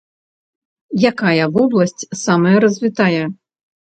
Якая вобласць самая развітая?